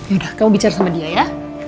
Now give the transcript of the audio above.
yaudah kamu bicara sama dia ya